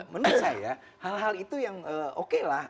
menurut saya hal hal itu yang oke lah